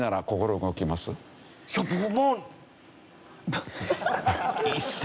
いや僕もう。